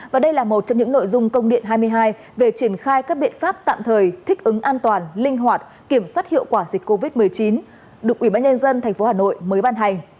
và đây là một trong những nội dung công điện hai mươi hai về triển khai các biện pháp tạm thời thích ứng an toàn linh hoạt kiểm soát hiệu quả dịch covid một mươi chín được ubnd tp hà nội mới ban hành